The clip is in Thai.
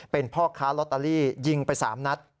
เป็นพ่อค้าลอตเตอรี่ยิงไป๓นัด